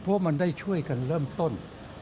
เพราะมันได้ช่วยกันเริ่มต้น